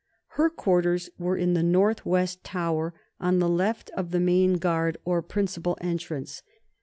Her quarters were in the north west tower, on the left of the Main Guard (or principal entrance).